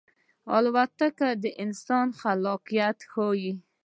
الوتکه د انسان خلاقیت ښيي.